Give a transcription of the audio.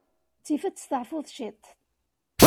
Ttif ad testaɛfuḍ ciṭ.